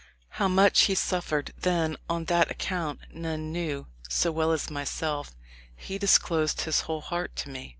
How much he suffered then on that account none knew so well as myself; he disclosed his whole heart to me.